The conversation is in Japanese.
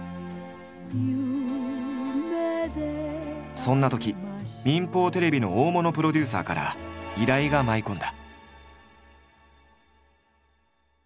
そんなとき民放テレビの大物プロデューサーから依頼が舞い込んだ。